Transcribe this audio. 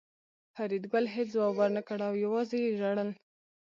فریدګل هېڅ ځواب ورنکړ او یوازې یې ژړل